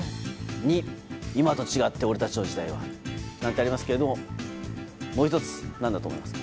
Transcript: ２、今と違って俺たちの時代は。とありますがもう１つは何だと思いますか？